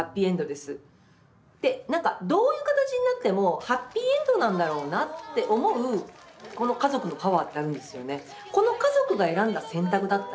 ⁉何かどういう形になってもハッピーエンドなんだろうなって思うこの家族のパワーってあるんですよね。